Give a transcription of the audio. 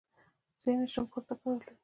زه يې نه شم پورته کولاى.